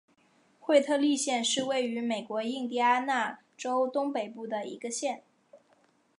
惠特利县是位于美国印第安纳州东北部的一个县。